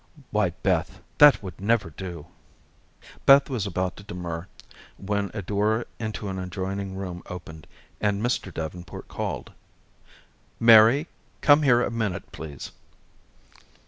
"Why, Beth, that would never do." Beth was about to demur, when a door into an adjoining room opened, and Mr. Davenport called: "Mary, come here a minute, please."